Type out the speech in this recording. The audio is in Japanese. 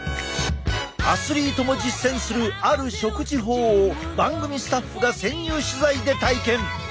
アスリートも実践するある食事法を番組スタッフが潜入取材で体験！